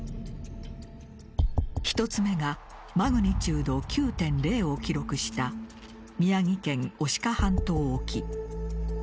１つ目がマグニチュード９．０を記録した宮城県牡鹿半島沖。